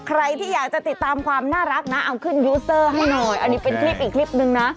ใครที่อยากจะติดตามความน่ารักนะเอาขึ้นยูเซอร์ให้หน่อยอันนี้เป็นคลิปอีกคลิปนึงนะ